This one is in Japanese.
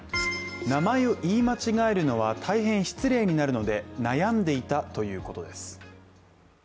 名前を言い間違えるのは大変失礼になるので悩んでいたということです。